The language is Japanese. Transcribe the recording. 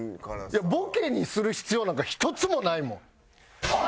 いやボケにする必要なんか１つもないもん。